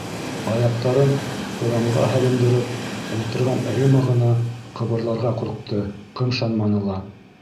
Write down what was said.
Аяҡтарын урамға һәлендереп ултырған Рима ғына ҡыбырларға ҡурҡты, ҡымшанманы ла.